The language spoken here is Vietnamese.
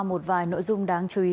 một vài nội dung đáng chú ý